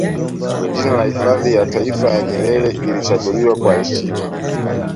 Jina la Hifadhi ya Taifa ya Nyerere lilichaguliwa kwa heshima